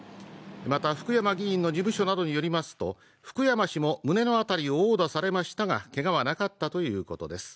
また、福山議員の事務所などによりますと福山氏も胸の辺りを殴打されましたが、けがはなかったということです。